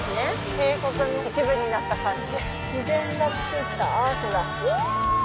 渓谷の一部になった感じ。